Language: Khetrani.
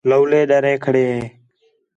لَولے ڈرے کھڑے ہے